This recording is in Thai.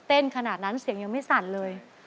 ขนาดนั้นเสียงยังไม่สั่นเลย